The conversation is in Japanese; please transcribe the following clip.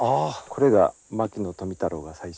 これが牧野富太郎が最初に。